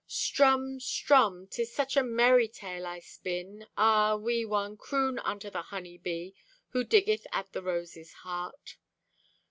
Strumm, strumm! 'Tis such a merry tale I spinn. Ah, wee one, croon unto the honey bee Who diggeth at the rose's heart.